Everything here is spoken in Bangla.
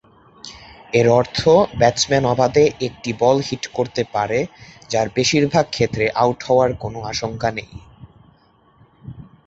এর অর্থ ব্যাটসম্যান অবাধে একটি বল হিট করতে পারে যার বেশিরভাগ ক্ষেত্রে আউট হওয়ার কোনও আশঙ্কা নেই।